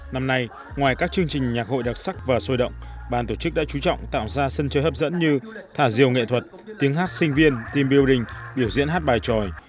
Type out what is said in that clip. năm nay ngoài các chương trình nhạc hội đặc sắc và sôi động bàn tổ chức đã chú trọng tạo ra sân chơi hấp dẫn như thả diều nghệ thuật tiếng hát sinh viên team building biểu diễn hát bài tròi